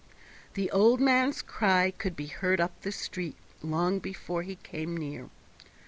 The old man's cry could be heard up the street long before he came near.